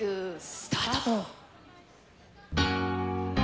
スタート！